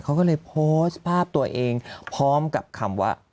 เขาก็เลยโพสต์ภาพตัวเองพร้อมกับคำว่า